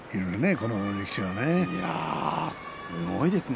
この力士はね。